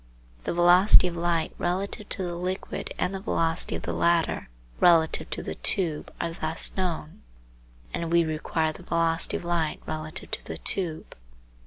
The velocity of light relative to the liquid and the velocity of the latter relative to the tube are thus known, and we require the velocity of light relative to the tube.